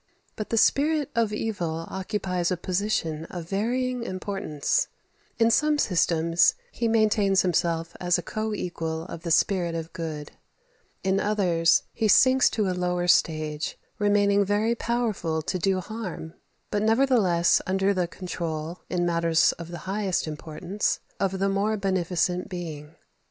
But the spirit of evil occupies a position of varying importance: in some systems he maintains himself as co equal of the spirit of good; in others he sinks to a lower stage, remaining very powerful to do harm, but nevertheless under the control, in matters of the highest importance, of the more beneficent Being.